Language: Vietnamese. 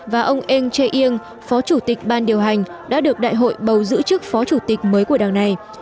và ông eng chae yeng phó chủ tịch ban điều hành đã được đại hội bầu giữ chức phó chủ tịch mới của đảng này